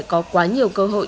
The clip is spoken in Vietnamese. có quá nhiều cơ hội